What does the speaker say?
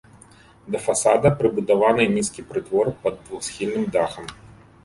Да фасада прыбудаваны нізкі прытвор пад двухсхільным дахам.